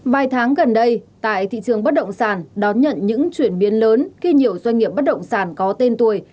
vài tháng gần đây tại thị trường bất động sản đón nhận những chuyển biến lớn khi nhiều doanh nghiệp bất động sản có tên tuổi